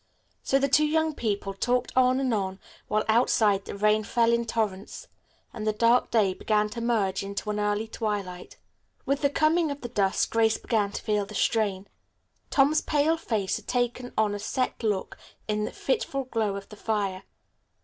So the two young people talked on and on, while outside the rain fell in torrents, and the dark day began to merge into an early twilight. With the coming of the dusk Grace began to feel the strain. Tom's pale face had taken on a set look in the fitful glow of the fire.